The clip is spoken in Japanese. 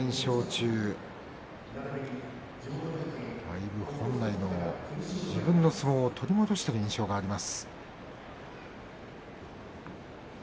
だいぶ本来の自分の相撲を取り戻している印象があります。